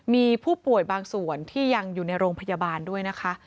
มีผู้ป่วยบางส่วนที่ยังอยู่ในโรงพยาบาลด้วยนะคะ